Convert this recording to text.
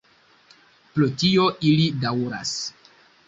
Pro tio ili daŭras.